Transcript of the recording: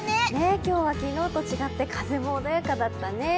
今日は昨日と違って風も穏やかだったね。